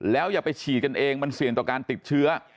แล้วอย่าไปฉีดกันเองมันเสี่ยงต่อการติดเชื้อ